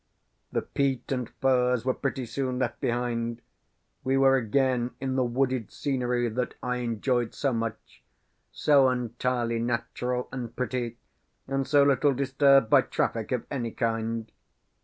The peat and furze were pretty soon left behind; we were again in the wooded scenery that I enjoyed so much, so entirely natural and pretty, and so little disturbed by traffic of any kind.